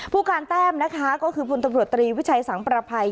ผู้การแต้มนะคะก็คือพลตำรวจตรีวิชัยสังประภัย